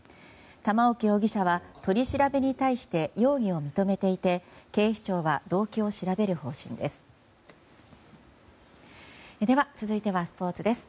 玉置容疑者は取り調べに対して容疑を認めていて警視庁は動機を調べる方針です。